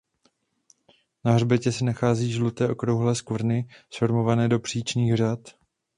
Na hřbetě se nachází žluté okrouhlé skvrny zformované do příčných řad.